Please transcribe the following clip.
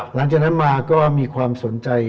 หลังจากนั้นมาก็มีความสนใจ